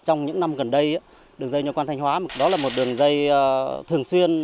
trong những năm gần đây đường dây nhỏ quan thanh hóa là một đường dây thường xuyên